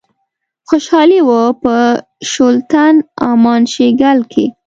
خوشحالي وه په شُلتن، امان شیګل کښي